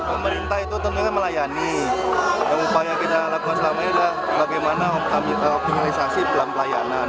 pemerintah itu tentunya melayani dan upaya kita lakukan selama ini adalah bagaimana optimalisasi dalam pelayanan